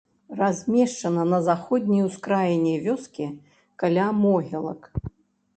Размешчана на заходняй ускраіне вёскі, каля могілак.